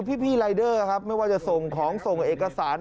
พี่รายเดอร์ครับไม่ว่าจะส่งของส่งเอกสาร